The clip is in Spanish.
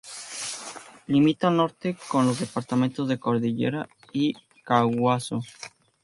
Limita al norte con los departamentos de Cordillera y Caaguazú.